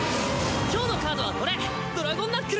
今日のカードはこれドラゴンナックル！